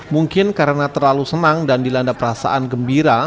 mungkin karena terlalu senang dan dilanda perasaan gembira